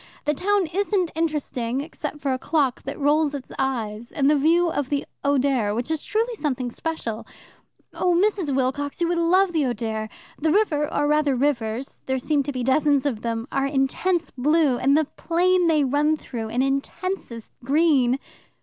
The town isn't interesting, except for a clock that rolls its eyes, and the view of the Oder, which truly is something special. Oh, Mrs. Wilcox, you would love the Oder! The river, or rather rivers there seem to be dozens of them are intense blue, and the plain they run through an intensest green."